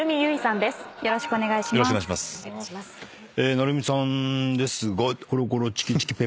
鳴海さんですが。